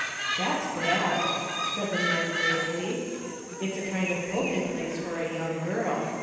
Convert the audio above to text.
rpHAT'S bad," said the man gravely; "it's. a kind of poky place for a young girl.